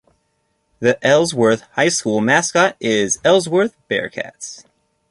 The Ellsworth High School mascot is Ellsworth Bearcats.